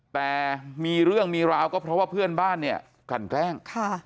แต่มีเรื่องมีราวก็เพราะว่าเพื่อนบ้านเนี่ยกลั่นแกล้ง